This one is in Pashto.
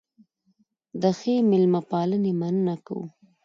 د ښې مېلمه پالنې مننه کوو.